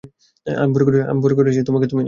আমি বড় করেছি তাকে, তুমি না।